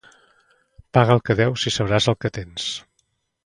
Paga el que deus, i sabràs el que tens.